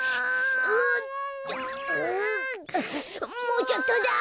もうちょっとだ。